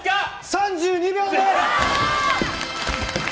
３２秒です！